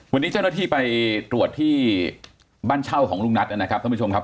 วันนี้เจ้าหน้าที่ไปตรวจที่บ้านเช่าของลุงนัทนะครับ